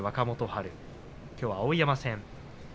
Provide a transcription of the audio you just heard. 春きょうは碧山戦。